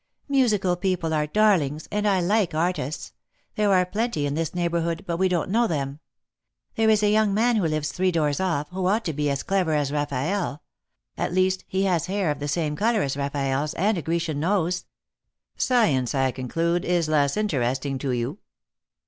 " Musical people are darlings ! and I like artists. There are plenty in this neighbourhood, but we don't know them. There is a young man who lives three doors off, who ought to be as clever as Raffaelle ; at least, he has hair of the same colour as Baffaelle's, and a Grecian nose." " Science, I conclude, is less interesting to you?"